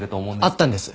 会ったんです。